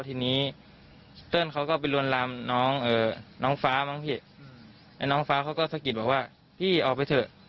ทีนี้เติ้ลเขาก็ไปรวนรามน้องฟ้าน้องฟ้าเขาก็สะกิดว่าพี่ออกไปเถอะ